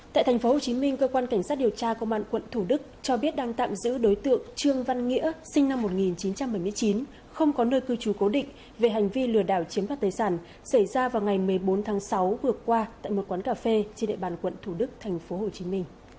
tại tp hcm cơ quan cảnh sát điều tra công an quận thủ đức cho biết đang tạm giữ đối tượng trương văn nghĩa sinh năm một nghìn chín trăm bảy mươi chín không có nơi cư trú cố định về hành vi lừa đảo chiếm đoạt tài sản xảy ra vào ngày một mươi bốn tháng sáu vừa qua tại một quán cà phê trên địa bàn quận thủ đức tp hcm